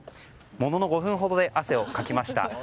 ものの５分ほどで汗をかきました。